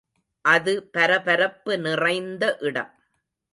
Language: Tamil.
அது பரபரப்பு நிறைந்த இடம்.